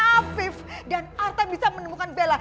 afif dan artan bisa menemukan bella